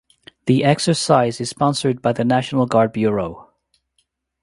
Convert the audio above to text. The exercise is sponsored by the National Guard Bureau.